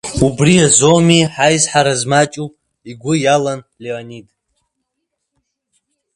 Убри азоуми ҳаизҳара змаҷу, игәы иалан Леонид.